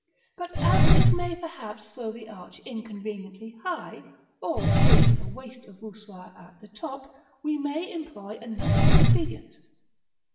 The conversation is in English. But as this may perhaps throw the arch inconveniently high, or occasion a waste of voussoirs at the top, we may employ another expedient.